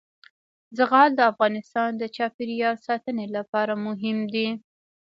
زغال د افغانستان د چاپیریال ساتنې لپاره مهم دي.